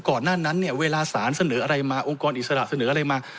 ก่อนหน้านั้นเนี่ยเวลาสารเสนออะไรมาองค์กรอิสระเสนออะไรมา